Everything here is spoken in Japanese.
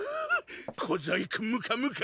小細工ムカムカ！